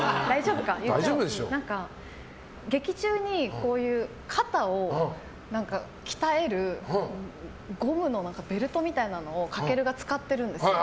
劇中に肩を鍛えるゴムのベルトみたいなのを翔が使ってるんです。